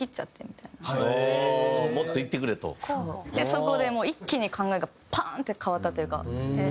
そこで一気に考えがパーンって変わったというか。